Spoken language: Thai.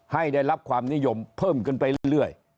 ได้รับความนิยมเพิ่มขึ้นไปเรื่อย